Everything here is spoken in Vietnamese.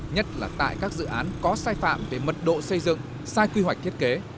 nhất là tại các dự án có sai phạm về mật độ xây dựng sai quy hoạch thiết kế